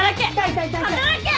働け！